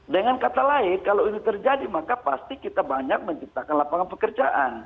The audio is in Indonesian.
dengan kata lain kalau ini terjadi maka pasti kita banyak menciptakan lapangan pekerjaan